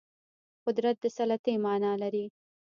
قدرت د سلطې معنا لري